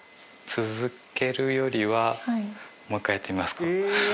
続けるよりはもう一回やってみますかええ！？